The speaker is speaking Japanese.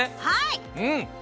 はい！